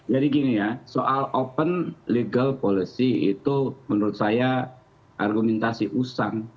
jadi gini ya soal open legal policy itu menurut saya argumentasi usang